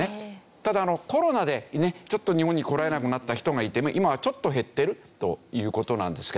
ただコロナでねちょっと日本に来られなくなった人がいて今はちょっと減ってるという事なんですけど。